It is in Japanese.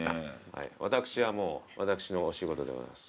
私はもう私のお仕事でございます。